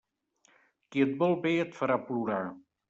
Qui et vol bé et farà plorar.